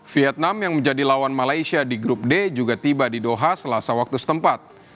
vietnam yang menjadi lawan malaysia di grup d juga tiba di doha selasa waktu setempat